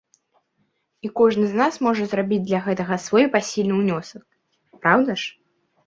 І кожны з нас можа зрабіць для гэтага свой пасільны ўнёсак, праўда ж?